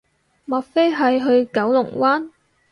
莫非係去九龍灣